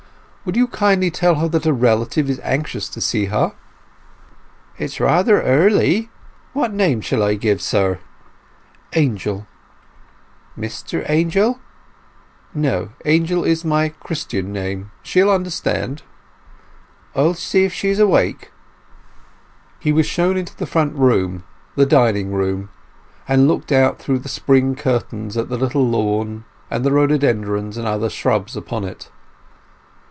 "Will you kindly tell her that a relative is anxious to see her?" "It is rather early. What name shall I give, sir?" "Angel." "Mr Angel?" "No; Angel. It is my Christian name. She'll understand." "I'll see if she is awake." He was shown into the front room—the dining room—and looked out through the spring curtains at the little lawn, and the rhododendrons and other shrubs upon it.